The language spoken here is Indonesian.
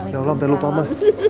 ya allah udah lupa mama